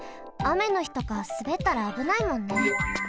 あめのひとかすべったらあぶないもんね。